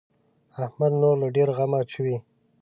احمد نور له ډېره غمه چويي.